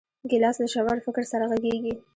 ګیلاس له ژور فکر سره غږېږي.